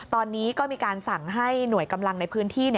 ตอนนี้ก็มีการสั่งให้หน่วยกำลังในพื้นที่